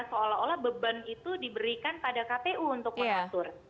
seolah olah beban itu diberikan pada kpu untuk mengatur